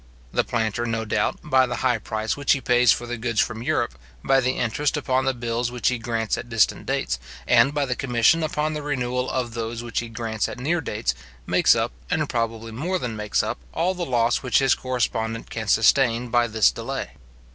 The planter, no doubt, by the high price which he pays for the goods from Europe, by the interest upon the bills which he grants at distant dates, and by the commission upon the renewal of those which he grants at near dates, makes up, and probably more than makes up, all the loss which his correspondent can sustain by this delay.